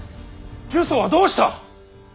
呪詛はどうした。